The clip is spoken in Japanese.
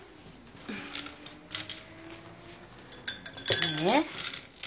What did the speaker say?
ねえ。